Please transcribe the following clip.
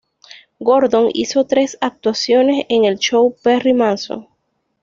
Gordon hizo tres actuaciones en el show "Perry Mason".